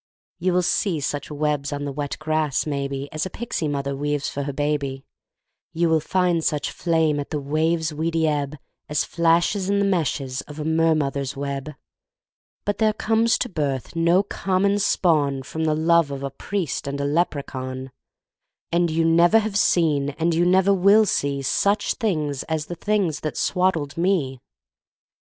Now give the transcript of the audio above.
You will see such webs on the wet grass, maybe, As a pixie mother weaves for her baby, You will find such flame at the wave's weedy ebb As flashes in the meshes of a mer mother's web, But there comes to birth no common spawn From the love of a priest and a leprechaun, And you never have seen and you never will see Such things as the things that swaddled me!